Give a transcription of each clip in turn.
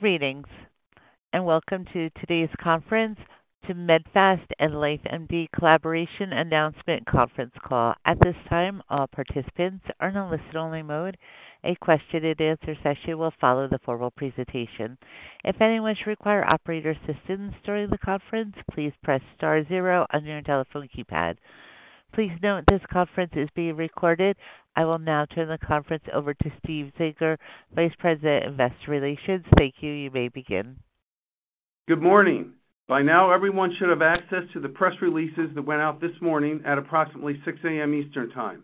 Greetings, and welcome to today's conference, the Medifast and LifeMD Collaboration Announcement conference call. At this time, all participants are in a listen-only mode. A question-and-answer session will follow the formal presentation. If anyone should require operator assistance during the conference, please press star zero on your telephone keypad. Please note this conference is being recorded. I will now turn the conference over to Steve Zenker, Vice President, Investor Relations. Thank you. You may begin. Good morning. By now, everyone should have access to the press releases that went out this morning at approximately 6:00A.M. Eastern Time.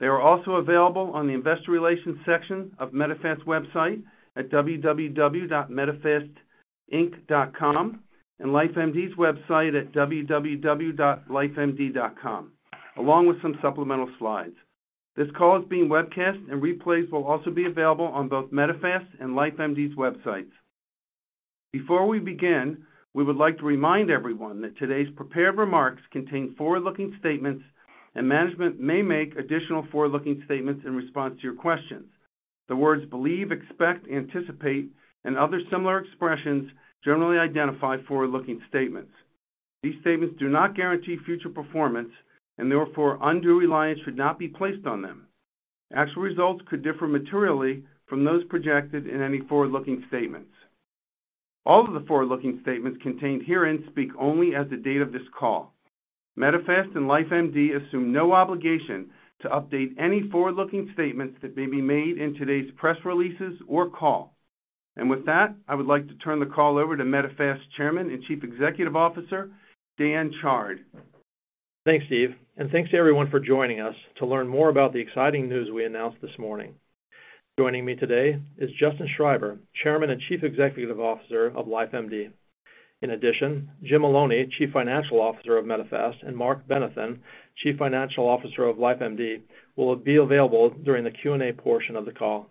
They are also available on the Investor Relations section of Medifast's website at www.medifastinc.com and LifeMD's website at www.lifemd.com, along with some supplemental slides. This call is being webcast and replays will also be available on both Medifast and LifeMD's websites. Before we begin, we would like to remind everyone that today's prepared remarks contain forward-looking statements, and management may make additional forward-looking statements in response to your questions. The words believe, expect, anticipate, and other similar expressions generally identify forward-looking statements. These statements do not guarantee future performance, and therefore undue reliance should not be placed on them. Actual results could differ materially from those projected in any forward-looking statements. All of the forward-looking statements contained herein speak only as of the date of this call. Medifast and LifeMD assume no obligation to update any forward-looking statements that may be made in today's press releases or call. With that, I would like to turn the call over to Medifast's Chairman and Chief Executive Officer, Dan Chard. Thanks, Steve, and thanks to everyone for joining us to learn more about the exciting news we announced this morning. Joining me today is Justin Schreiber, Chairman and Chief Executive Officer of LifeMD. In addition, Jim Maloney, Chief Financial Officer of Medifast, and Marc Benathen, Chief Financial Officer of LifeMD, will be available during the Q&A portion of the call.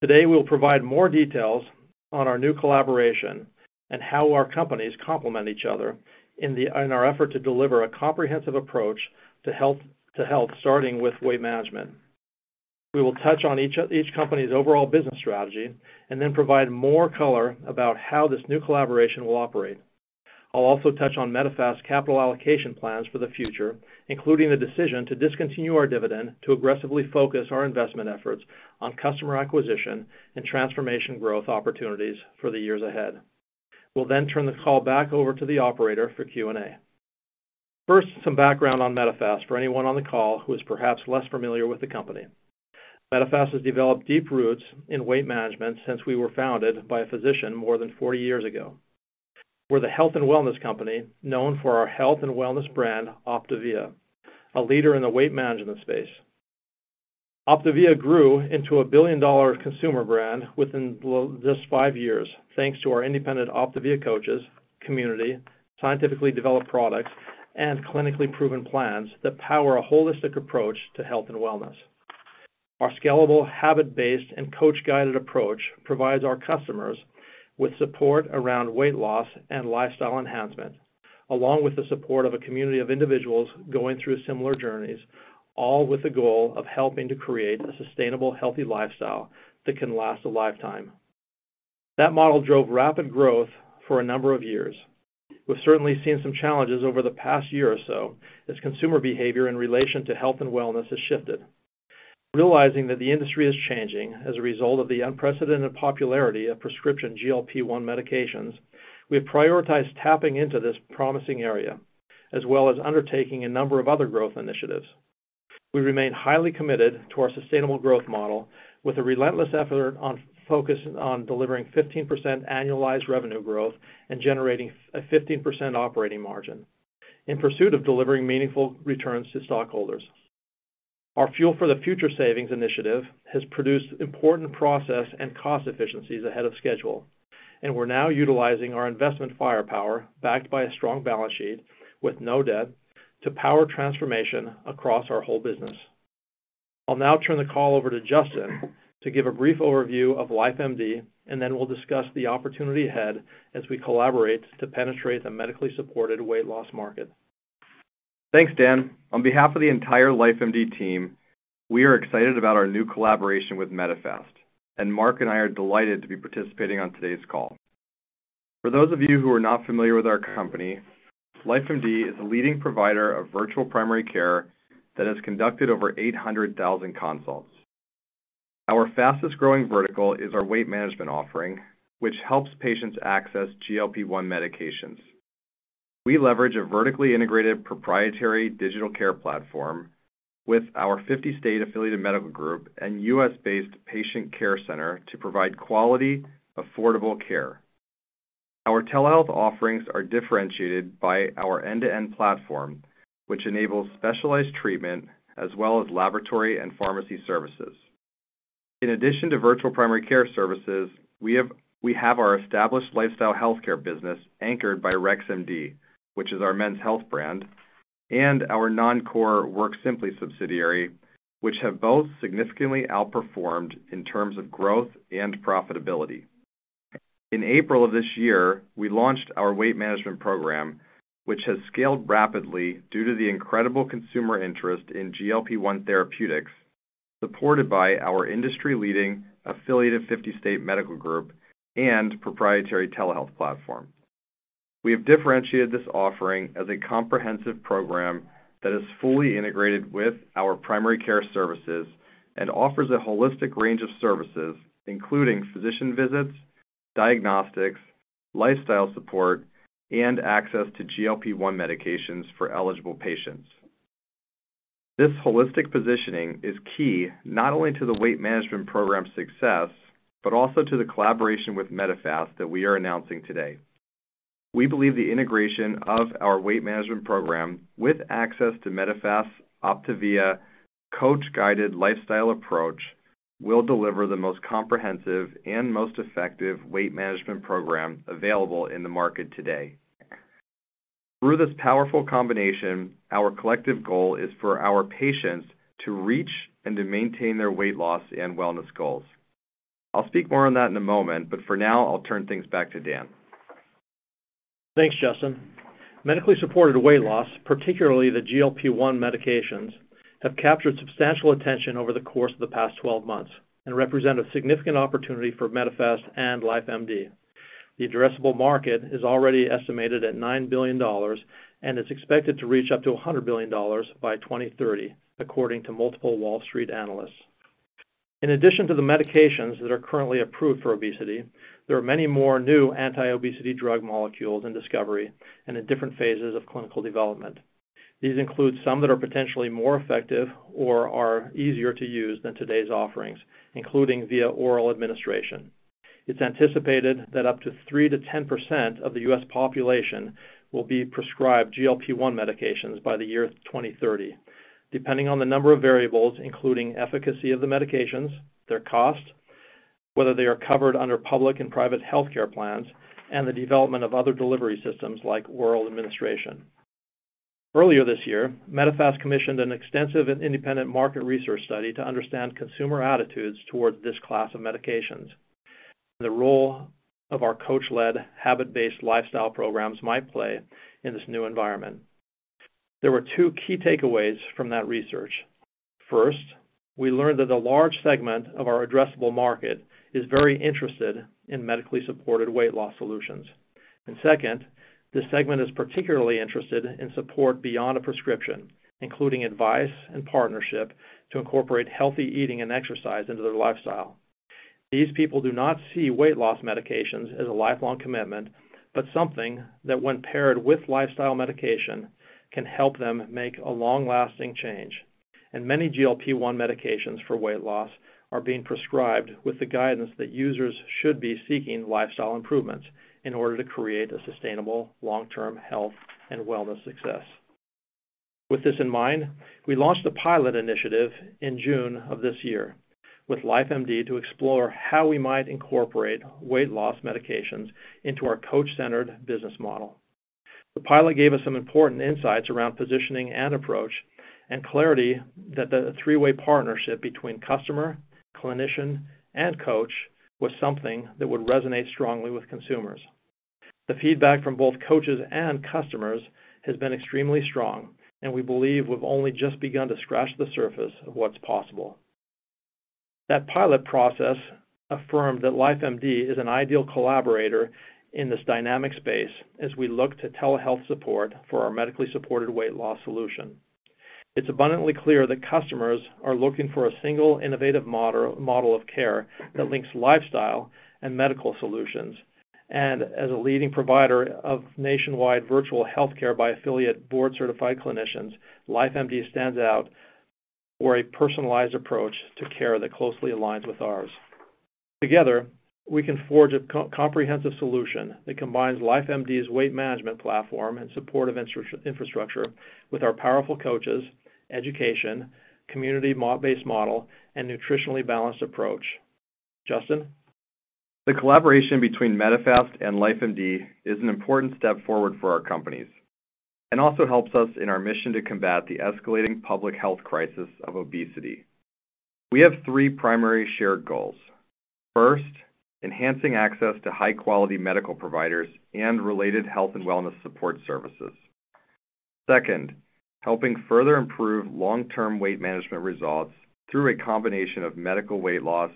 Today, we'll provide more details on our new collaboration and how our companies complement each other in our effort to deliver a comprehensive approach to health, starting with weight management. We will touch on each company's overall business strategy and then provide more color about how this new collaboration will operate. I'll also touch on Medifast's capital allocation plans for the future, including the decision to discontinue our dividend to aggressively focus our investment efforts on customer acquisition and transformation growth opportunities for the years ahead. We'll then turn the call back over to the operator for Q&A. First, some background on Medifast for anyone on the call who is perhaps less familiar with the company. Medifast has developed deep roots in weight management since we were founded by a physician more than 40 years ago. We're the health and wellness company known for our health and wellness brand, OPTAVIA, a leader in the weight management space. OPTAVIA grew into a billion-dollar consumer brand within just five years, thanks to our independent OPTAVIA coaches, community, scientifically developed products, and clinically proven plans that power a holistic approach to health and wellness. Our scalable, habit-based, and coach-guided approach provides our customers with support around weight loss and lifestyle enhancement, along with the support of a community of individuals going through similar journeys, all with the goal of helping to create a sustainable, healthy lifestyle that can last a lifetime. That model drove rapid growth for a number of years. We've certainly seen some challenges over the past year or so as consumer behavior in relation to health and wellness has shifted. Realizing that the industry is changing as a result of the unprecedented popularity of prescription GLP-1 medications, we've prioritized tapping into this promising area, as well as undertaking a number of other growth initiatives. We remain highly committed to our sustainable growth model, with a relentless effort on focus on delivering 15% annualized revenue growth and generating a 15% operating margin in pursuit of delivering meaningful returns to stockholders. Our Fuel for the Future savings initiative has produced important process and cost efficiencies ahead of schedule, and we're now utilizing our investment firepower, backed by a strong balance sheet with no debt, to power transformation across our whole business. I'll now turn the call over to Justin to give a brief overview of LifeMD, and then we'll discuss the opportunity ahead as we collaborate to penetrate the medically supported weight loss market. Thanks, Dan. On behalf of the entire LifeMD team, we are excited about our new collaboration with Medifast, and Marc and I are delighted to be participating on today's call. For those of you who are not familiar with our company, LifeMD is a leading provider of virtual primary care that has conducted over 800,000 consults. Our fastest-growing vertical is our weight management offering, which helps patients access GLP-1 medications. We leverage a vertically integrated proprietary digital care platform with our 50-state affiliated medical group and U.S.-based patient care center to provide quality, affordable care. Our telehealth offerings are differentiated by our end-to-end platform, which enables specialized treatment as well as laboratory and pharmacy services. In addition to virtual primary care services, we have our established lifestyle healthcare business anchored by RexMD, which is our men's health brand, and our non-core WorkSimpli subsidiary, which have both significantly outperformed in terms of growth and profitability. In April of this year, we launched our weight management program, which has scaled rapidly due to the incredible consumer interest in GLP-1 therapeutics, supported by our industry-leading affiliated 50-state medical group and proprietary telehealth platform. We have differentiated this offering as a comprehensive program that is fully integrated with our primary care services and offers a holistic range of services, including physician visits, diagnostics, lifestyle support, and access to GLP-1 medications for eligible patients. This holistic positioning is key, not only to the weight management program success, but also to the collaboration with Medifast that we are announcing today. We believe the integration of our weight management program, with access to Medifast's OPTAVIA coach-guided lifestyle approach, will deliver the most comprehensive and most effective weight management program available in the market today. Through this powerful combination, our collective goal is for our patients to reach and to maintain their weight loss and wellness goals. I'll speak more on that in a moment, but for now, I'll turn things back to Dan. Thanks, Justin. Medically supported weight loss, particularly the GLP-1 medications, have captured substantial attention over the course of the past 12 months and represent a significant opportunity for Medifast and LifeMD. The addressable market is already estimated at $9 billion, and it's expected to reach up to $100 billion by 2030, according to multiple Wall Street analysts. In addition to the medications that are currently approved for obesity, there are many more new anti-obesity drug molecules in discovery and in different phases of clinical development. These include some that are potentially more effective or are easier to use than today's offerings, including via oral administration. It's anticipated that up to 3%-10% of the U.S. population will be prescribed GLP-1 medications by the year 2030, depending on the number of variables, including efficacy of the medications, their cost, whether they are covered under public and private healthcare plans, and the development of other delivery systems like oral administration. Earlier this year, Medifast commissioned an extensive and independent market research study to understand consumer attitudes towards this class of medications. The role of our coach-led, habit-based lifestyle programs might play in this new environment. There were 2 key takeaways from that research. First, we learned that a large segment of our addressable market is very interested in medically supported weight loss solutions. And second, this segment is particularly interested in support beyond a prescription, including advice and partnership, to incorporate healthy eating and exercise into their lifestyle. These people do not see weight loss medications as a lifelong commitment, but something that, when paired with lifestyle medication, can help them make a long-lasting change. Many GLP-1 medications for weight loss are being prescribed with the guidance that users should be seeking lifestyle improvements in order to create a sustainable long-term health and wellness success. With this in mind, we launched a pilot initiative in June of this year with LifeMD to explore how we might incorporate weight loss medications into our coach-centered business model. The pilot gave us some important insights around positioning and approach, and clarity that the three-way partnership between customer, clinician, and coach was something that would resonate strongly with consumers. The feedback from both coaches and customers has been extremely strong, and we believe we've only just begun to scratch the surface of what's possible. That pilot process affirmed that LifeMD is an ideal collaborator in this dynamic space as we look to telehealth support for our medically supported weight loss solution. It's abundantly clear that customers are looking for a single innovative model of care that links lifestyle and medical solutions. As a leading provider of nationwide virtual healthcare by affiliated board-certified clinicians, LifeMD stands out for a personalized approach to care that closely aligns with ours. Together, we can forge a comprehensive solution that combines LifeMD's weight management platform and supportive infrastructure with our powerful coaches, education, community-based model, and nutritionally balanced approach. Justin? The collaboration between Medifast and LifeMD is an important step forward for our companies and also helps us in our mission to combat the escalating public health crisis of obesity. We have three primary shared goals. First, enhancing access to high-quality medical providers and related health and wellness support services. Second, helping further improve long-term weight management results through a combination of medical weight loss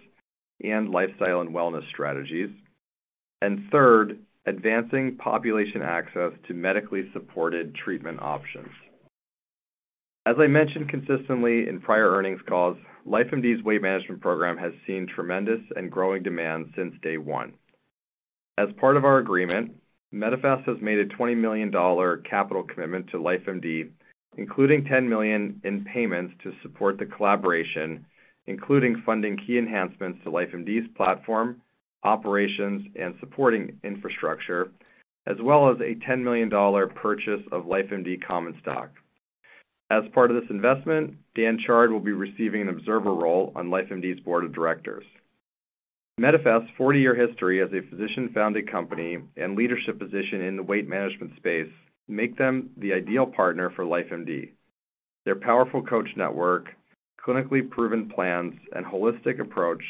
and lifestyle and wellness strategies. And third, advancing population access to medically supported treatment options. As I mentioned consistently in prior earnings calls, LifeMD's weight management program has seen tremendous and growing demand since day one. As part of our agreement, Medifast has made a $20 million capital commitment to LifeMD, including $10 million in payments to support the collaboration, including funding key enhancements to LifeMD's platform, operations, and supporting infrastructure, as well as a $10 million purchase of LifeMD common stock. As part of this investment, Dan Chard will be receiving an observer role on LifeMD's board of directors. Medifast's 40-year history as a physician-founded company and leadership position in the weight management space make them the ideal partner for LifeMD. Their powerful coach network, clinically proven plans, and holistic approach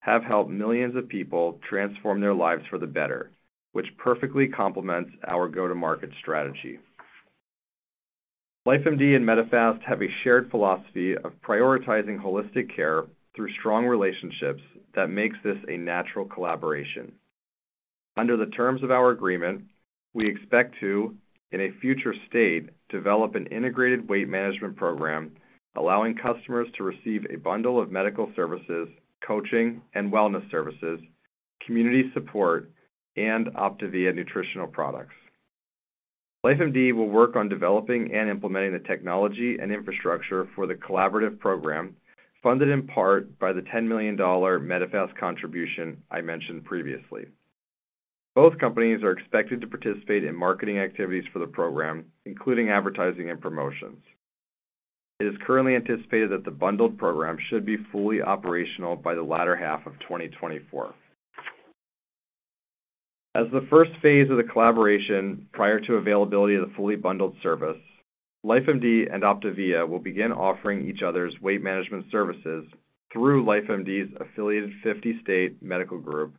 have helped millions of people transform their lives for the better, which perfectly complements our go-to-market strategy.... LifeMD and Medifast have a shared philosophy of prioritizing holistic care through strong relationships that makes this a natural collaboration. Under the terms of our agreement, we expect to, in a future state, develop an integrated weight management program, allowing customers to receive a bundle of medical services, coaching and wellness services, community support, and OPTAVIA nutritional products. LifeMD will work on developing and implementing the technology and infrastructure for the collaborative program, funded in part by the $10 million Medifast contribution I mentioned previously. Both companies are expected to participate in marketing activities for the program, including advertising and promotions. It is currently anticipated that the bundled program should be fully operational by the latter half of 2024. As the first phase of the collaboration, prior to availability of the fully bundled service, LifeMD and OPTAVIA will begin offering each other's weight management services through LifeMD's affiliated 50-state medical group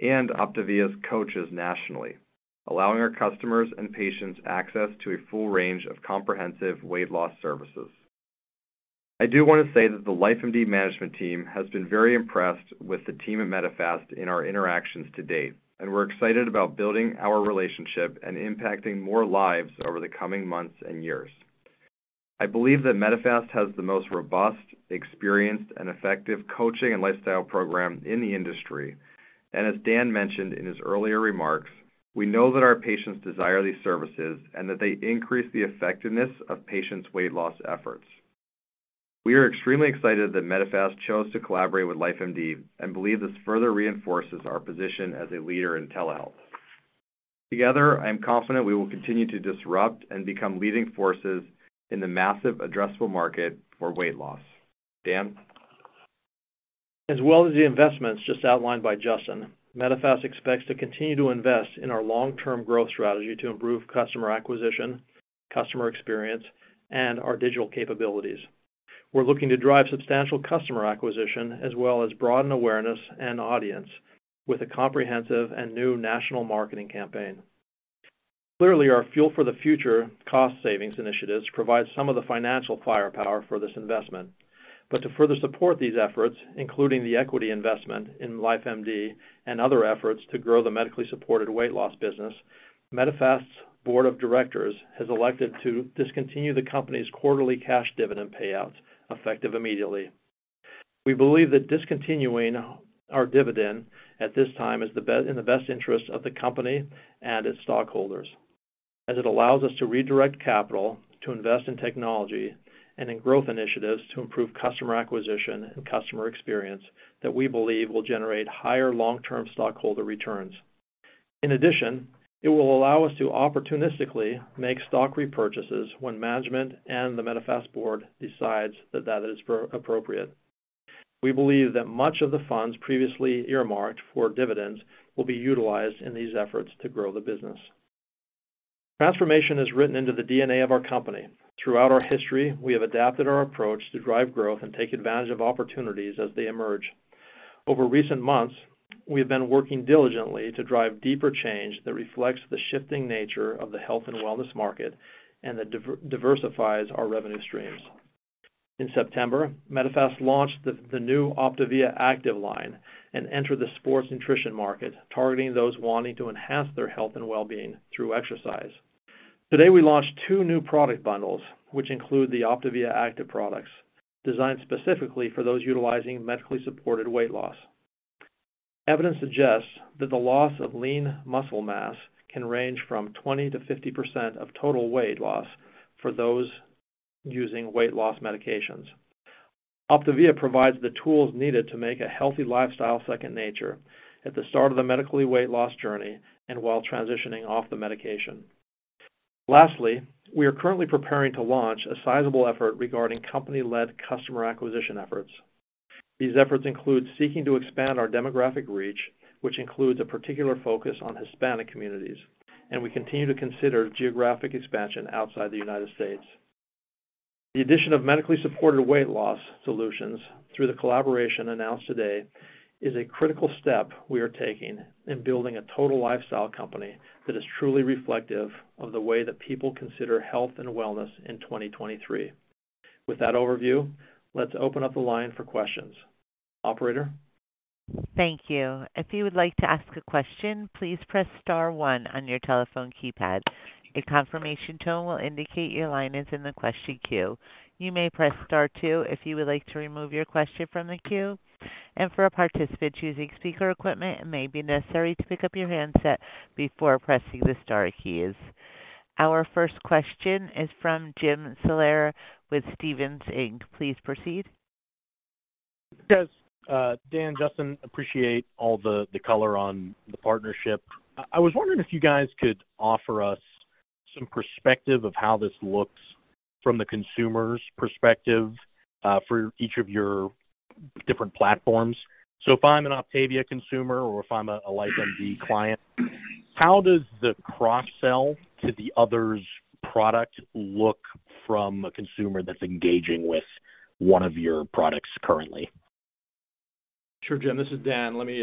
and OPTAVIA's coaches nationally, allowing our customers and patients access to a full range of comprehensive weight loss services. I do want to say that the LifeMD management team has been very impressed with the team at Medifast in our interactions to date, and we're excited about building our relationship and impacting more lives over the coming months and years. I believe that Medifast has the most robust, experienced, and effective coaching and lifestyle program in the industry. As Dan mentioned in his earlier remarks, we know that our patients desire these services and that they increase the effectiveness of patients' weight loss efforts. We are extremely excited that Medifast chose to collaborate with LifeMD, and believe this further reinforces our position as a leader in telehealth. Together, I am confident we will continue to disrupt and become leading forces in the massive addressable market for weight loss. Dan? As well as the investments just outlined by Justin, Medifast expects to continue to invest in our long-term growth strategy to improve customer acquisition, customer experience, and our digital capabilities. We're looking to drive substantial customer acquisition as well as broaden awareness and audience with a comprehensive and new national marketing campaign. Clearly, our Fuel for the Future cost savings initiatives provide some of the financial firepower for this investment. But to further support these efforts, including the equity investment in LifeMD and other efforts to grow the medically supported weight loss business, Medifast's board of directors has elected to discontinue the company's quarterly cash dividend payouts, effective immediately. We believe that discontinuing our dividend at this time is the best in the best interest of the company and its stockholders, as it allows us to redirect capital, to invest in technology and in growth initiatives to improve customer acquisition and customer experience that we believe will generate higher long-term stockholder returns. In addition, it will allow us to opportunistically make stock repurchases when management and the Medifast board decides that that is appropriate. We believe that much of the funds previously earmarked for dividends will be utilized in these efforts to grow the business. Transformation is written into the DNA of our company. Throughout our history, we have adapted our approach to drive growth and take advantage of opportunities as they emerge. Over recent months, we have been working diligently to drive deeper change that reflects the shifting nature of the health and wellness market and that diversifies our revenue streams. In September, Medifast launched the new OPTAVIA ACTIVE line and entered the sports nutrition market, targeting those wanting to enhance their health and well-being through exercise. Today, we launched two new product bundles, which include the OPTAVIA ACTIVE products, designed specifically for those utilizing medically supported weight loss. Evidence suggests that the loss of lean muscle mass can range from 20%-50% of total weight loss for those using weight loss medications. OPTAVIA provides the tools needed to make a healthy lifestyle second nature at the start of the medically weight loss journey and while transitioning off the medication. Lastly, we are currently preparing to launch a sizable effort regarding company-led customer acquisition efforts. These efforts include seeking to expand our demographic reach, which includes a particular focus on Hispanic communities, and we continue to consider geographic expansion outside the United States. The addition of medically supported weight loss solutions through the collaboration announced today is a critical step we are taking in building a total lifestyle company that is truly reflective of the way that people consider health and wellness in 2023. With that overview, let's open up the line for questions. Operator? Thank you. If you would like to ask a question, please press star one on your telephone keypad. A confirmation tone will indicate your line is in the question queue. You may press Star two if you would like to remove your question from the queue, and for a participant choosing speaker equipment, it may be necessary to pick up your handset before pressing the star keys. Our first question is from Jim Salera with Stephens Inc. Please proceed. Yes, Dan, Justin, appreciate all the color on the partnership. I was wondering if you guys could offer us some perspective on how this looks from the consumer's perspective for each of your different platforms. So if I'm an OPTAVIA consumer or if I'm a LifeMD client, how does the cross-sell to the other's product look from a consumer that's engaging with one of your products currently?... Sure, Jim, this is Dan. Let me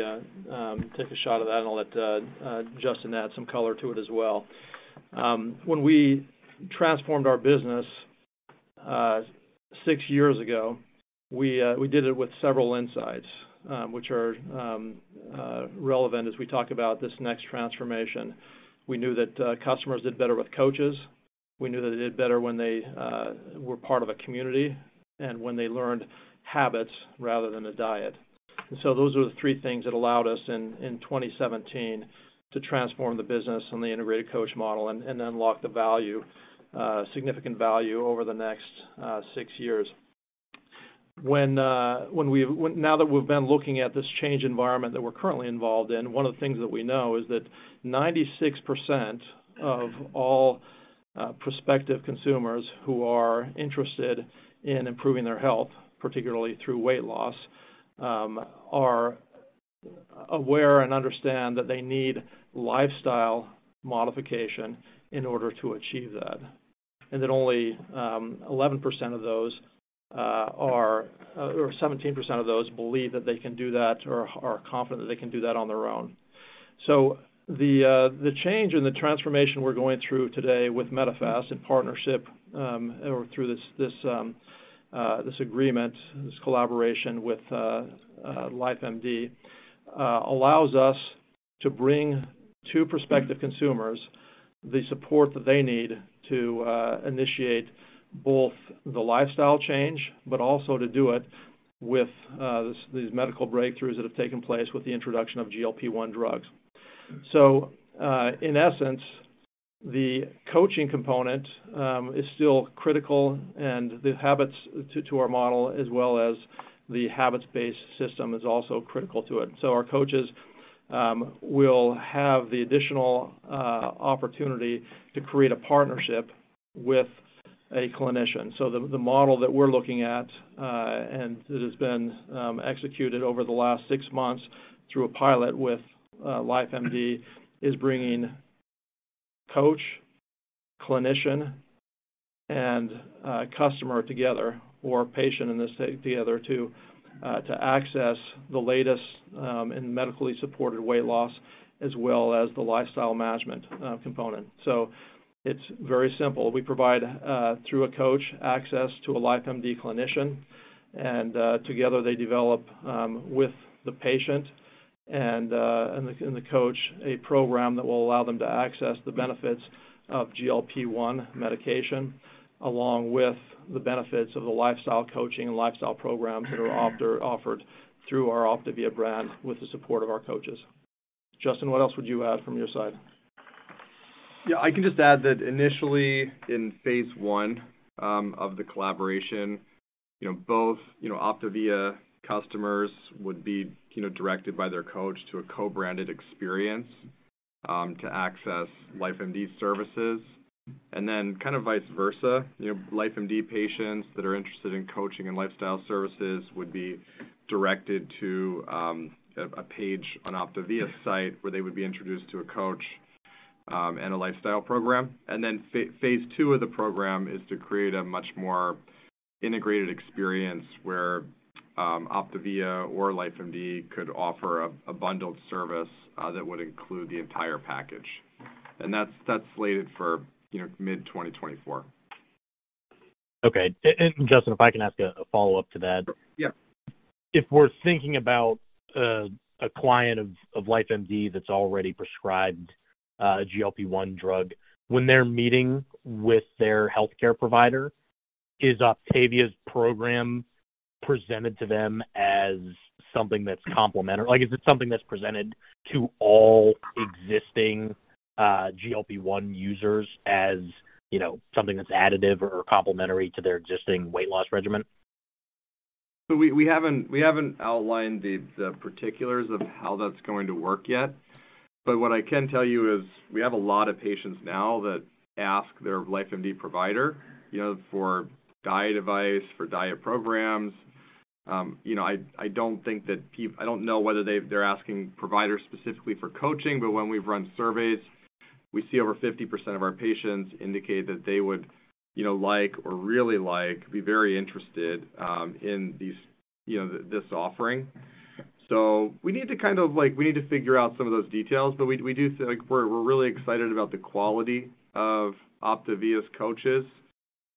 take a shot at that, and I'll let Justin add some color to it as well. When we transformed our business six years ago, we did it with several insights, which are relevant as we talk about this next transformation. We knew that customers did better with coaches. We knew that they did better when they were part of a community and when they learned habits rather than a diet. And so those are the three things that allowed us in 2017 to transform the business and the integrated coach model and unlock the value, significant value over the next six years. Now that we've been looking at this change environment that we're currently involved in, one of the things that we know is that 96% of all prospective consumers who are interested in improving their health, particularly through weight loss, are aware and understand that they need lifestyle modification in order to achieve that, and that only 11% of those, or 17% of those believe that they can do that or are confident that they can do that on their own. So the change and the transformation we're going through today with Medifast in partnership or through this agreement, this collaboration with LifeMD, allows us to bring two prospective consumers the support that they need to initiate both the lifestyle change, but also to do it with these medical breakthroughs that have taken place with the introduction of GLP-1 drugs. So, in essence, the coaching component is still critical, and the habits to our model, as well as the habits-based system, is also critical to it. So our coaches will have the additional opportunity to create a partnership with a clinician. So the model that we're looking at, and it has been executed over the last six months through a pilot with LifeMD, is bringing coach, clinician, and customer together or patient in this together to access the latest in medically supported weight loss as well as the lifestyle management component. So it's very simple. We provide through a coach, access to a LifeMD clinician, and together they develop with the patient and the coach, a program that will allow them to access the benefits of GLP-1 medication, along with the benefits of the lifestyle coaching and lifestyle programs that are offered through our OPTAVIA brand with the support of our coaches. Justin, what else would you add from your side? Yeah, I can just add that initially in phase one of the collaboration, you know, both, you know, OPTAVIA customers would be, you know, directed by their coach to a co-branded experience to access LifeMD services. And then kind of vice versa, you know, LifeMD patients that are interested in coaching and lifestyle services would be directed to a page on OPTAVIA's site, where they would be introduced to a coach and a lifestyle program. And then phase two of the program is to create a much more integrated experience where OPTAVIA or LifeMD could offer a bundled service that would include the entire package. And that's slated for, you know, mid-2024. Okay. And Justin, if I can ask a follow-up to that? Yeah. If we're thinking about a client of LifeMD that's already prescribed a GLP-1 drug, when they're meeting with their healthcare provider, is OPTAVIA's program presented to them as something that's complementary? Like, is it something that's presented to all existing GLP-1 users as, you know, something that's additive or complementary to their existing weight loss regimen? So we haven't outlined the particulars of how that's going to work yet. But what I can tell you is we have a lot of patients now that ask their LifeMD provider, you know, for diet advice, for diet programs. You know, I don't know whether they're asking providers specifically for coaching, but when we've run surveys, we see over 50% of our patients indicate that they would, you know, like or really like, be very interested in this offering. So we need to kind of like figure out some of those details, but we do think... We're really excited about the quality of OPTAVIA's coaches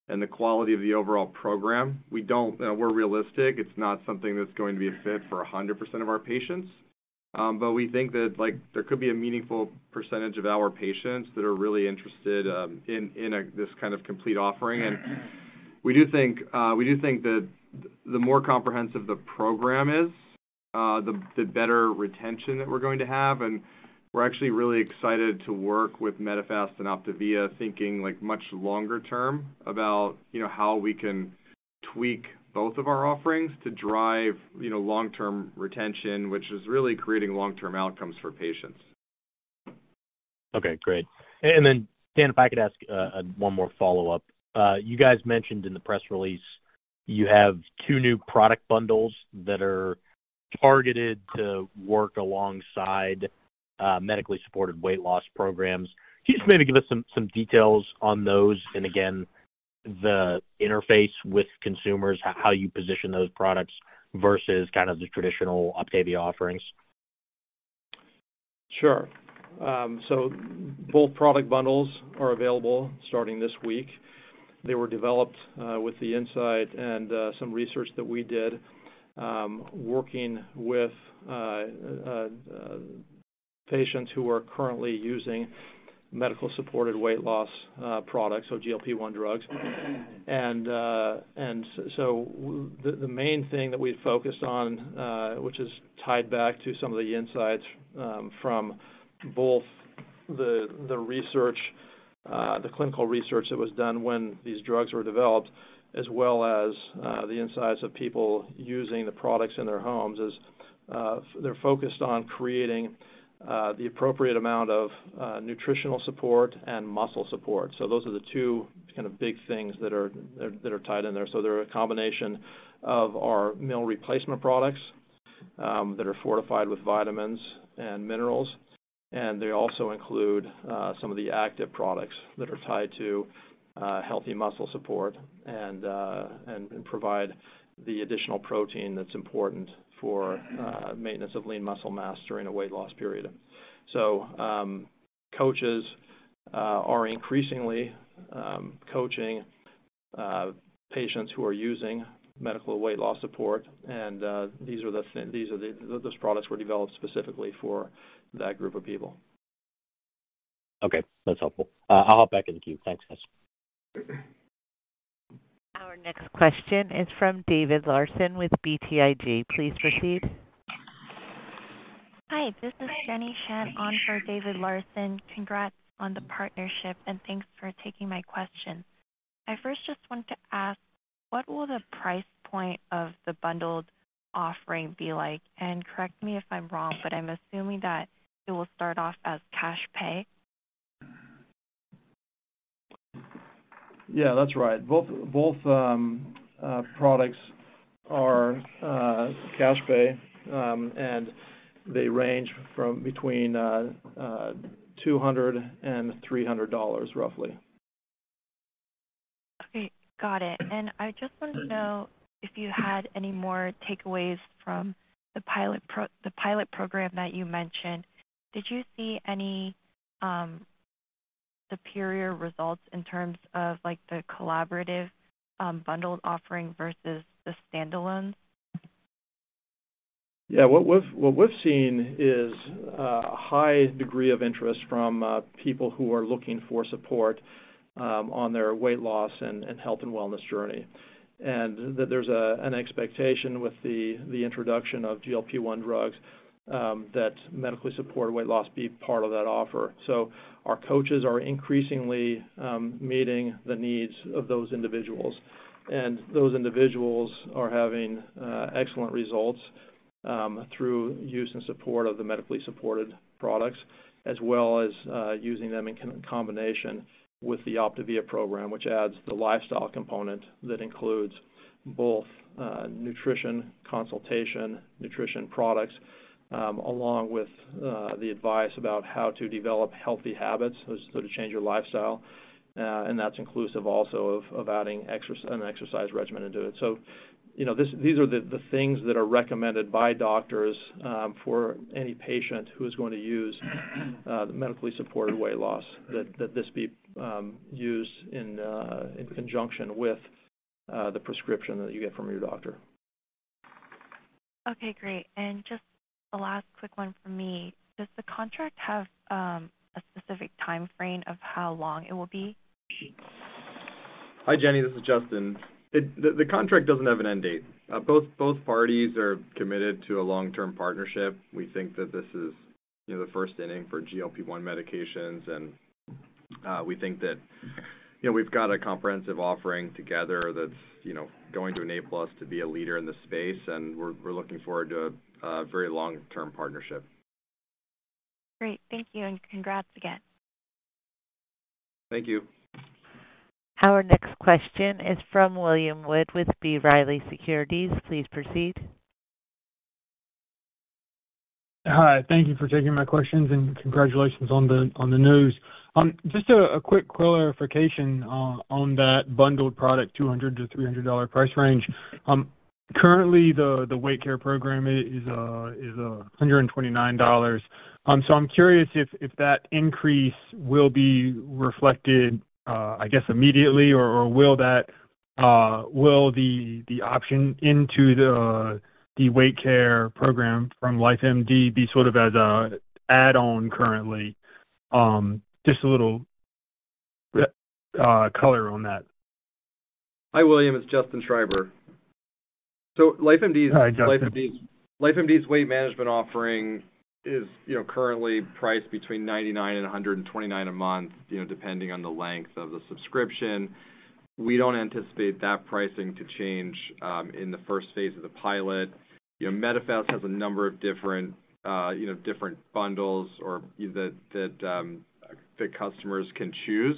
and the quality of the overall program. We're realistic. It's not something that's going to be a fit for 100% of our patients. But we think that, like, there could be a meaningful percentage of our patients that are really interested in this kind of complete offering. And we do think that the more comprehensive the program is, the better retention that we're going to have. And we're actually really excited to work with Medifast and OPTAVIA, thinking, like, much longer term about, you know, how we can tweak both of our offerings to drive, you know, long-term retention, which is really creating long-term outcomes for patients. Okay, great. And then, Dan, if I could ask, one more follow-up. You guys mentioned in the press release, you have two new product bundles that are targeted to work alongside medically supported weight loss programs. Can you just maybe give us some, some details on those, and again-... the interface with consumers, how you position those products versus kind of the traditional OPTAVIA offerings? Sure. So both product bundles are available starting this week. They were developed with the insight and some research that we did, working with patients who are currently using medically supported weight loss products, so GLP-1 drugs. And so the main thing that we focused on, which is tied back to some of the insights from both the research, the clinical research that was done when these drugs were developed, as well as the insights of people using the products in their homes, is they're focused on creating the appropriate amount of nutritional support and muscle support. So those are the two kind of big things that are tied in there. So they're a combination of our meal replacement products that are fortified with vitamins and minerals, and they also include some of the active products that are tied to healthy muscle support and provide the additional protein that's important for maintenance of lean muscle mass during a weight loss period. So, coaches are increasingly coaching patients who are using medical weight loss support, and these are the things. Those products were developed specifically for that group of people. Okay, that's helpful. I'll hop back in the queue. Thanks, guys. Our next question is from David Larsen with BTIG. Please proceed. Hi, this is Jenny Shan on for David Larsen. Congrats on the partnership, and thanks for taking my question. I first just wanted to ask, what will the price point of the bundled offering be like? And correct me if I'm wrong, but I'm assuming that it will start off as cash pay. Yeah, that's right. Both products are cash pay, and they range from between $200 and $300, roughly. Okay, got it. I just wanted to know if you had any more takeaways from the pilot program that you mentioned. Did you see any superior results in terms of, like, the collaborative bundled offering versus the standalones? Yeah, what we've seen is a high degree of interest from people who are looking for support on their weight loss and health and wellness journey. And there's an expectation with the introduction of GLP-1 drugs that medically supported weight loss be part of that offer. So our coaches are increasingly meeting the needs of those individuals, and those individuals are having excellent results through use and support of the medically supported products, as well as using them in combination with the OPTAVIA program, which adds the lifestyle component that includes both nutrition consultation, nutrition products, along with the advice about how to develop healthy habits, so to change your lifestyle. And that's inclusive also of adding exercise, an exercise regimen into it. So you know, these are the things that are recommended by doctors, for any patient who is going to use the medically supported weight loss, that this be used in conjunction with the prescription that you get from your doctor. Okay, great. Just a last quick one from me. Does the contract have a specific time frame of how long it will be? Hi, Jenny, this is Justin. The contract doesn't have an end date. Both parties are committed to a long-term partnership. We think that this is, you know, the first inning for GLP-1 medications, and we think that, you know, we've got a comprehensive offering together that's, you know, going to enable us to be a leader in this space, and we're looking forward to a very long-term partnership. Great. Thank you, and congrats again. Thank you. Our next question is from William Wood with B. Riley Securities. Please proceed. Hi, thank you for taking my questions, and congratulations on the, on the news. Just a quick clarification on that bundled product, $200-$300 price range. Currently, the Weight Care program is $129. So I'm curious if that increase will be reflected, I guess, immediately, or will that, will the option into the Weight Care program from LifeMD be sort of as a add-on currently? Just a little color on that. Hi, William, it's Justin Schreiber. So LifeMD- Hi, Justin. LifeMD's weight management offering is, you know, currently priced between $99 and $129 a month, you know, depending on the length of the subscription. We don't anticipate that pricing to change in the first phase of the pilot. You know, Medifast has a number of different, you know, different bundles or that the customers can choose.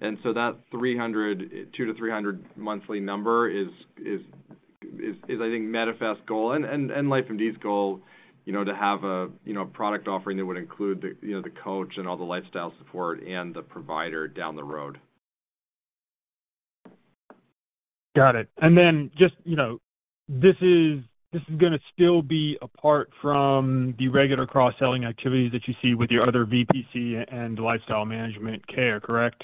And so that $200-$300 monthly number is I think Medifast's goal and LifeMD's goal, you know, to have a product offering that would include the coach and all the lifestyle support and the provider down the road. Got it. And then just, you know, this is gonna still be apart from the regular cross-selling activities that you see with your other VPC and lifestyle management care, correct?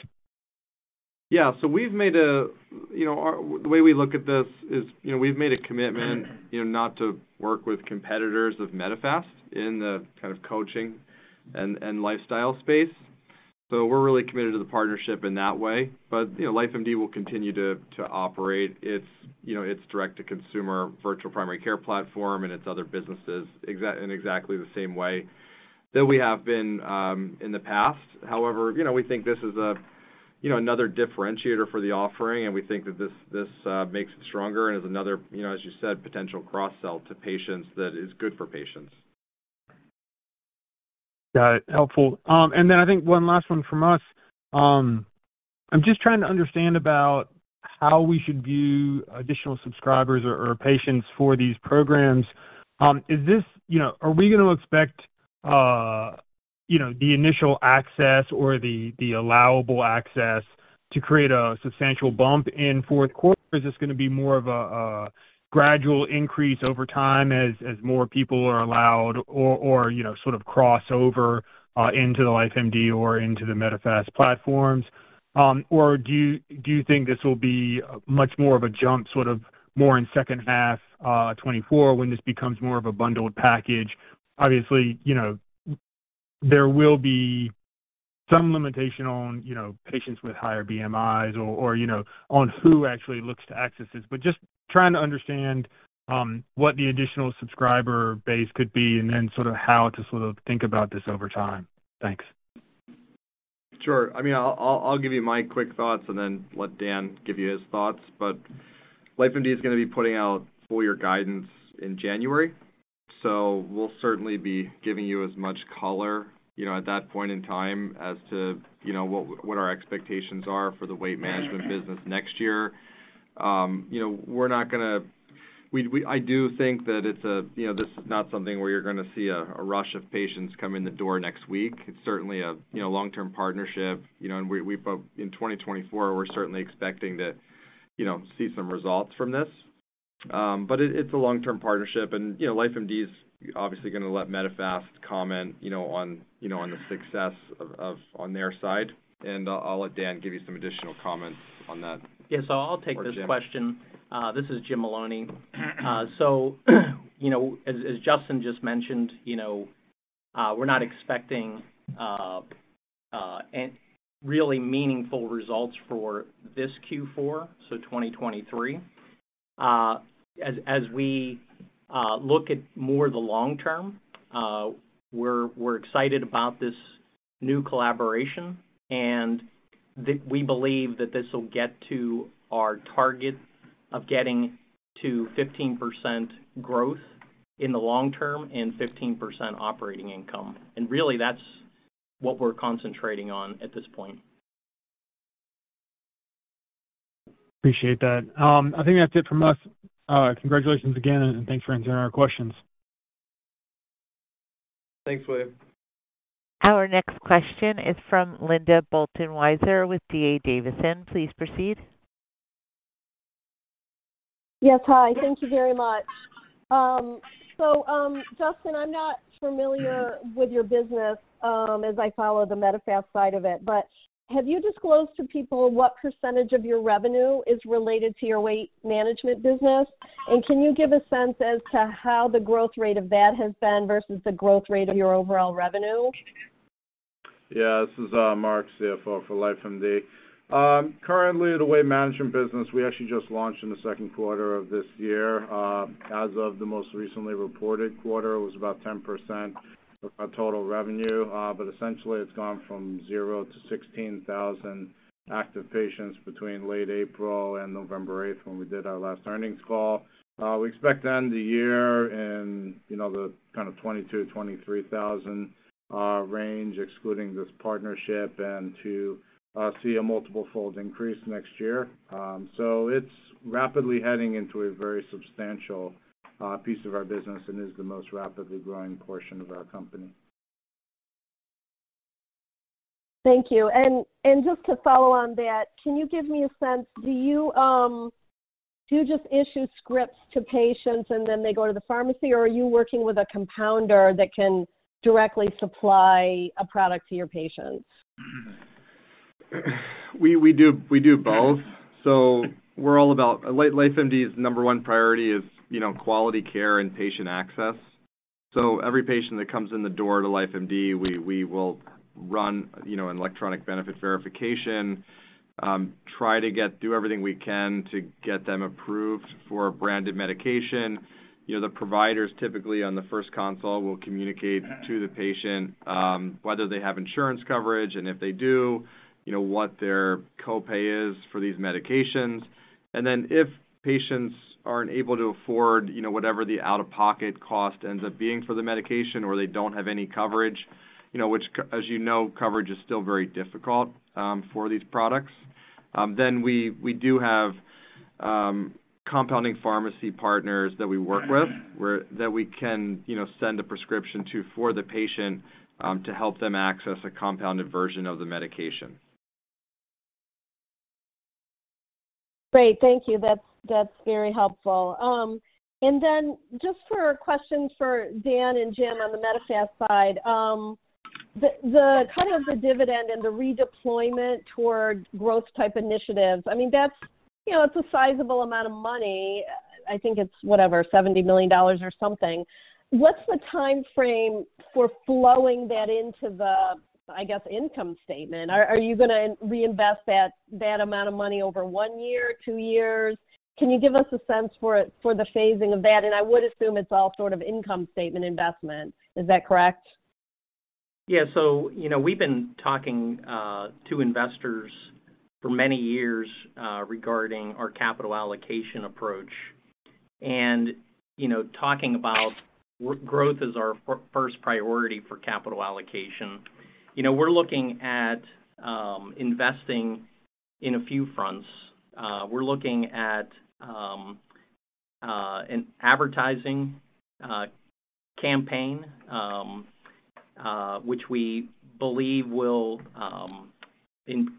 Yeah. So we've made a commitment, you know, not to work with competitors of Medifast in the kind of coaching and lifestyle space. So we're really committed to the partnership in that way. But, you know, LifeMD will continue to operate its direct-to-consumer virtual primary care platform and its other businesses in exactly the same way that we have been in the past. However, you know, we think this is another differentiator for the offering, and we think that this makes it stronger and is another, you know, as you said, potential cross-sell to patients that is good for patients. Got it. Helpful. Then I think one last one from us. I'm just trying to understand about how we should view additional subscribers or patients for these programs. You know, are we gonna expect the initial access or the allowable access to create a substantial bump in fourth quarter? Or is this gonna be more of a gradual increase over time as more people are allowed or you know, sort of cross over into the LifeMD or into the Medifast platforms? Or do you think this will be much more of a jump, sort of more in second half 2024, when this becomes more of a bundled package? Obviously, you know, there will be some limitation on, you know, patients with higher BMIs or, you know, on who actually looks to access this. But just trying to understand, what the additional subscriber base could be and then sort of how to sort of think about this over time. Thanks. Sure. I mean, I'll give you my quick thoughts and then let Dan give you his thoughts. But LifeMD is gonna be putting out full year guidance in January, so we'll certainly be giving you as much color, you know, at that point in time as to, you know, what our expectations are for the weight management business next year. You know, we're not gonna... We-- I do think that it's a, you know, this is not something where you're gonna see a rush of patients come in the door next week. It's certainly a, you know, long-term partnership, you know, and but in 2024, we're certainly expecting to, you know, see some results from this. But it's a long-term partnership and, you know, LifeMD is obviously gonna let Medifast comment, you know, on, you know, on the success of, on their side, and I'll let Dan give you some additional comments on that. Yes, so I'll take this question. This is Jim Maloney. So, you know, as Justin just mentioned, you know, we're not expecting any really meaningful results for this Q4 2023. As we look forward to the long term, we're excited about this new collaboration, and we believe that this will get to our target of getting to 15% growth in the long term and 15% operating income. Really, that's what we're concentrating on at this point. Appreciate that. I think that's it from us. Congratulations again, and thanks for answering our questions. Thanks, William. Our next question is from Linda Bolton Weiser with D.A. Davidson. Please proceed. Yes, hi. Thank you very much. So, Justin, I'm not familiar with your business, as I follow the Medifast side of it, but have you disclosed to people what percentage of your revenue is related to your weight management business? And can you give a sense as to how the growth rate of that has been versus the growth rate of your overall revenue? Yeah. This is, Marc, CFO for LifeMD. Currently, the weight management business, we actually just launched in the second quarter of this year. As of the most recently reported quarter, it was about 10% of our total revenue, but essentially, it's gone from zero to 16,000 active patients between late April and November eighth, when we did our last earnings call. We expect to end the year in, you know, the kind of 22,000-23,000, range, excluding this partnership, and to, see a multiple fold increase next year. So it's rapidly heading into a very substantial, piece of our business and is the most rapidly growing portion of our company. Thank you. And just to follow on that, can you give me a sense, do you just issue scripts to patients, and then they go to the pharmacy, or are you working with a compounder that can directly supply a product to your patients? We do both. So we're all about LifeMD's number one priority is, you know, quality care and patient access. So every patient that comes in the door to LifeMD, we will run, you know, an electronic benefit verification, do everything we can to get them approved for a branded medication. You know, the providers, typically on the first consult, will communicate to the patient, whether they have insurance coverage, and if they do, you know, what their copay is for these medications. And then if patients aren't able to afford, you know, whatever the out-of-pocket cost ends up being for the medication, or they don't have any coverage, you know, which, as you know, coverage is still very difficult, for these products. Then we do have compounding pharmacy partners that we work with, where that we can, you know, send a prescription to for the patient, to help them access a compounded version of the medication. Great. Thank you. That's, that's very helpful. And then just for questions for Dan and Jim on the Medifast side. The kind of the dividend and the redeployment toward growth type initiatives, I mean, that's, you know, it's a sizable amount of money. I think it's whatever, $70 million or something. What's the time frame for flowing that into the, I guess, income statement? Are you gonna reinvest that amount of money over one year, two years? Can you give us a sense for it, for the phasing of that? And I would assume it's all sort of income statement investment. Is that correct? Yeah. So, you know, we've been talking to investors for many years regarding our capital allocation approach. You know, talking about growth is our first priority for capital allocation. You know, we're looking at investing in a few fronts. We're looking at an advertising campaign which we believe will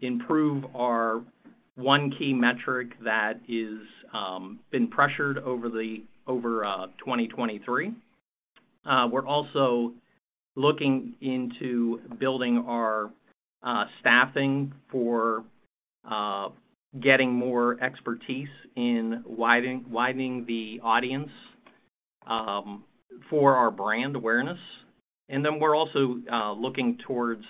improve our one key metric that is been pressured over 2023. We're also looking into building our staffing for getting more expertise in widening the audience for our brand awareness. And then we're also looking towards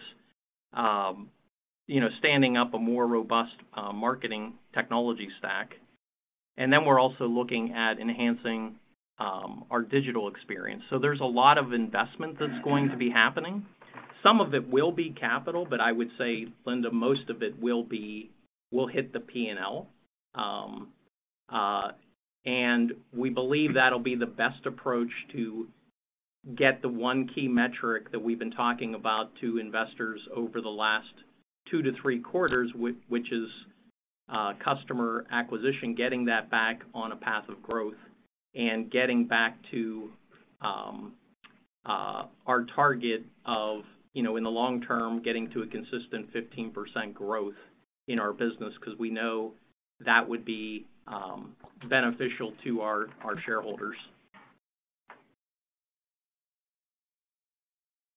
you know standing up a more robust marketing technology stack. And then we're also looking at enhancing our digital experience. So there's a lot of investment that's going to be happening. Some of it will be capital, but I would say, Linda, most of it will be, will hit the P&L. And we believe that'll be the best approach to get the one key metric that we've been talking about to investors over the last 2-3 quarters, which is customer acquisition, getting that back on a path of growth and getting back to our target of, you know, in the long term, getting to a consistent 15% growth in our business, 'cause we know that would be beneficial to our, our shareholders.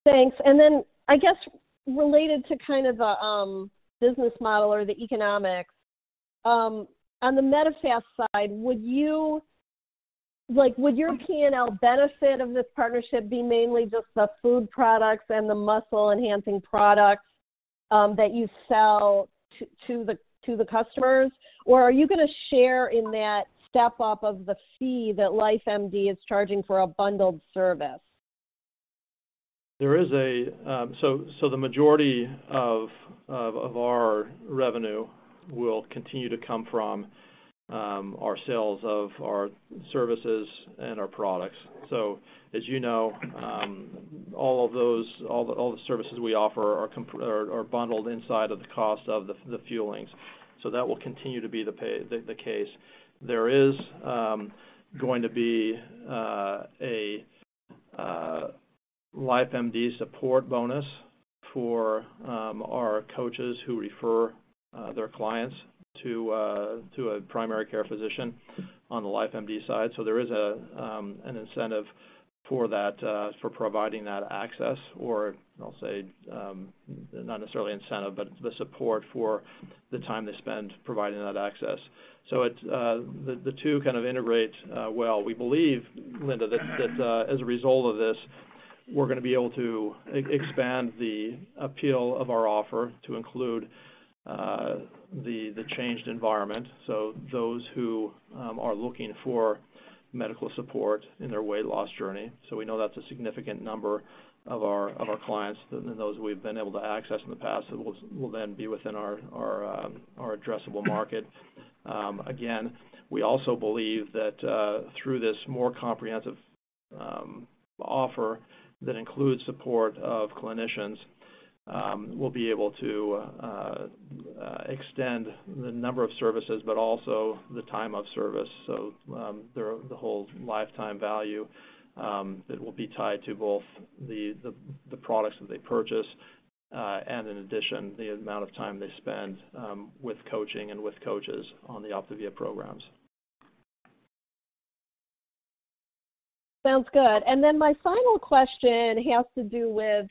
Thanks. And then, I guess, related to kind of the business model or the economics on the Medifast side, would your P&L benefit of this partnership be mainly just the food products and the muscle-enhancing products that you sell to the customers? Or are you gonna share in that step up of the fee that LifeMD is charging for a bundled service? So the majority of our revenue will continue to come from our sales of our services and our products. So as you know, all those services we offer are bundled inside of the cost of the Fuelings. So that will continue to be the case. There is going to be a LifeMD support bonus for our coaches who refer their clients to a primary care physician on the LifeMD side. So there is an incentive for that for providing that access, or I'll say, not necessarily incentive, but the support for the time they spend providing that access. So it's the two kind of integrate well. We believe, Linda, that as a result of this, we're gonna be able to expand the appeal of our offer to include the changed environment, so those who are looking for medical support in their weight loss journey. So we know that's a significant number of our clients than those we've been able to access in the past, will then be within our addressable market. Again, we also believe that through this more comprehensive offer that includes support of clinicians, we'll be able to extend the number of services, but also the time of service. The whole lifetime value will be tied to both the products that they purchase and, in addition, the amount of time they spend with coaching and with coaches on the OPTAVIA programs. Sounds good. And then my final question has to do with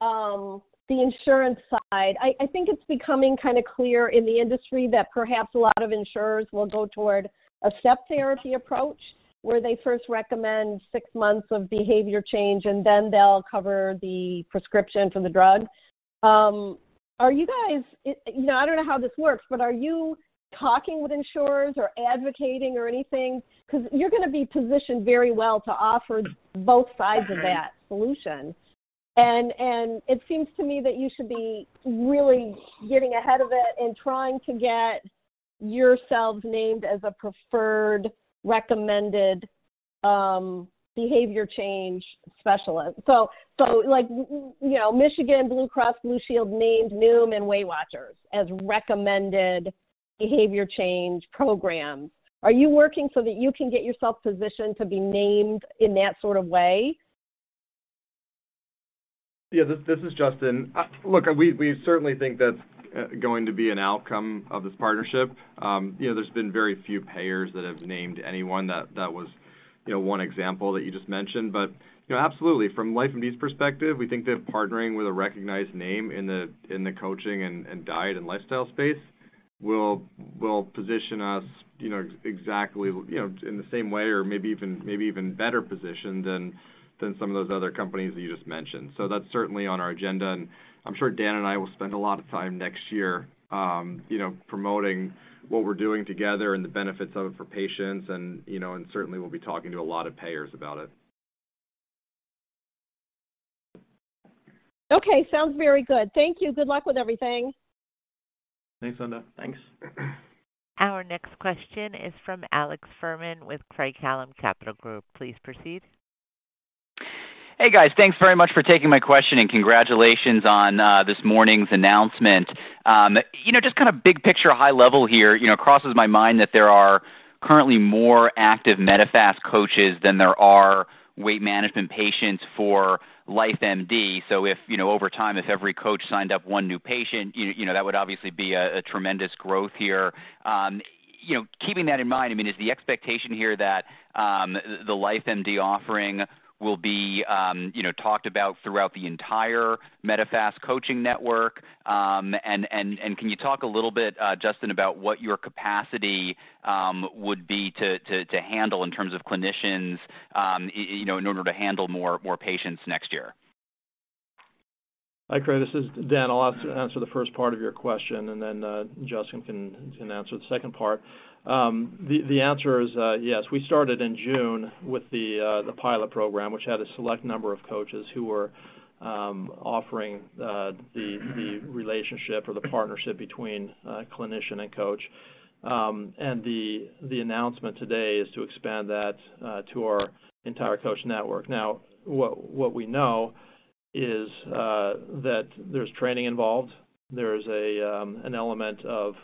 the insurance side. I think it's becoming kind of clear in the industry that perhaps a lot of insurers will go toward a step therapy approach, where they first recommend six months of behavior change, and then they'll cover the prescription for the drug. Are you guys, you know, I don't know how this works, but are you talking with insurers or advocating or anything? 'Cause you're gonna be positioned very well to offer both sides of that solution. It seems to me that you should be really getting ahead of it and trying to get yourselves named as a preferred, recommended behavior change specialist. Like, you know, Blue Cross Blue Shield of Michigan named Noom and Weight Watchers as recommended behavior change programs. Are you working so that you can get yourself positioned to be named in that sort of way? Yeah, this is Justin. Look, we certainly think that's going to be an outcome of this partnership. You know, there's been very few payers that have named anyone that was, you know, one example that you just mentioned. But, you know, absolutely, from LifeMD's perspective, we think that partnering with a recognized name in the coaching and diet and lifestyle space will position us, you know, exactly, you know, in the same way or maybe even better positioned than some of those other companies that you just mentioned. So that's certainly on our agenda, and I'm sure Dan and I will spend a lot of time next year, you know, promoting what we're doing together and the benefits of it for patients, and, you know, and certainly we'll be talking to a lot of payers about it. Okay. Sounds very good. Thank you. Good luck with everything. Thanks, Linda. Thanks. Our next question is from Alex Fuhrman with Craig-Hallum Capital Group. Please proceed. Hey, guys. Thanks very much for taking my question, and congratulations on this morning's announcement. You know, just kind of big picture, high level here, you know, crosses my mind that there are currently more active Medifast coaches than there are weight management patients for LifeMD. So if, you know, over time, if every coach signed up one new patient, you know, that would obviously be a tremendous growth here. You know, keeping that in mind, I mean, is the expectation here that the LifeMD offering will be, you know, talked about throughout the entire Medifast coaching network? And can you talk a little bit, Justin, about what your capacity would be to handle in terms of clinicians, you know, in order to handle more patients next year? Hi, Craig. This is Dan. I'll answer the first part of your question, and then Justin can answer the second part. The answer is yes. We started in June with the pilot program, which had a select number of coaches who were offering the relationship or the partnership between clinician and coach. And the announcement today is to expand that to our entire coach network. Now, what we know is that there's training involved. There's an element of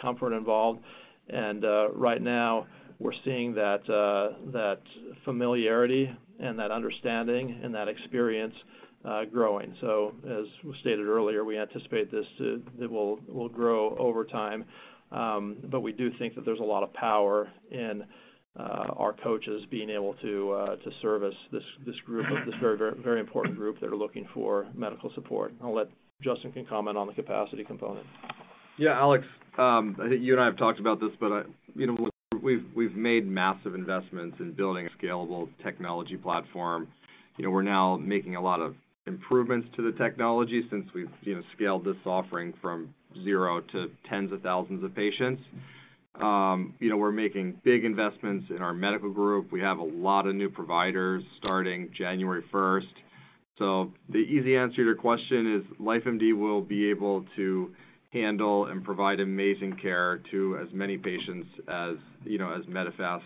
comfort involved, and right now we're seeing that familiarity and that understanding and that experience growing. So as stated earlier, we anticipate this to... It will grow over time. But we do think that there's a lot of power in our coaches being able to service this, this very, very important group that are looking for medical support. I'll let Justin can comment on the capacity component. Yeah, Alex, I think you and I have talked about this, but, you know, we've made massive investments in building a scalable technology platform. You know, we're now making a lot of improvements to the technology since we've, you know, scaled this offering from zero to tens of thousands of patients. You know, we're making big investments in our medical group. We have a lot of new providers starting January first. So the easy answer to your question is, LifeMD will be able to handle and provide amazing care to as many patients as, you know, as Medifast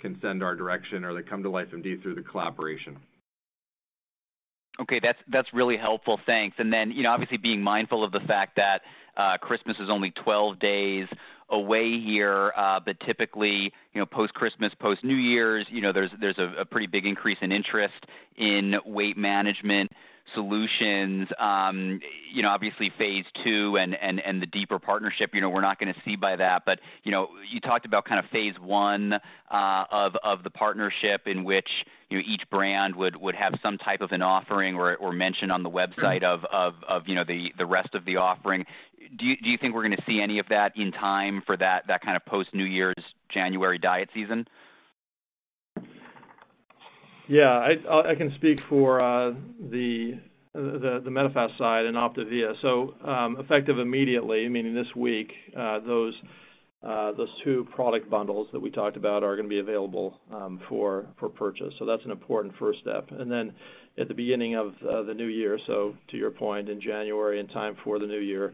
can send our direction or that come to LifeMD through the collaboration. Okay. That's really helpful. Thanks. And then, you know, obviously, being mindful of the fact that Christmas is only 12 days away here, but typically, you know, post-Christmas, post-New Year's, you know, there's a pretty big increase in interest in weight management solutions. You know, obviously, phase two and the deeper partnership, you know, we're not going to see by that. But, you know, you talked about kind of phase one of the partnership in which, you know, each brand would have some type of an offering or mention on the website- Mm-hmm... of you know the rest of the offering. Do you think we're going to see any of that in time for that kind of post-New Year's January diet season? Yeah. I can speak for the Medifast side and OPTAVIA. So, effective immediately, meaning this week, those two product bundles that we talked about are going to be available for purchase. So that's an important first step. And then at the beginning of the new year, so to your point, in January, in time for the new year,